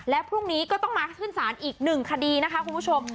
และพรุ่งนี้ก็ต้องมาขึ้นศาลอีกหนึ่งคดีนะคะคุณผู้ชม